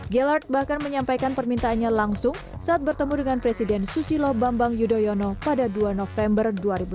gelart bahkan menyampaikan permintaannya langsung saat bertemu dengan presiden susilo bambang yudhoyono pada dua november dua ribu dua puluh